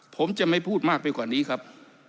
ผมจะไม่พูดมากไปกว่านี้ครับ